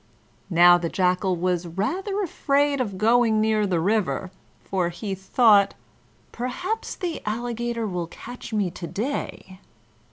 Now the Jackal was rather afraid of going near the river, for he thought, "Perhaps the Alligator will catch me to day."